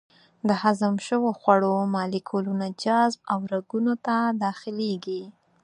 د هضم شوو خوړو مالیکولونه جذب او رګونو ته داخلېږي.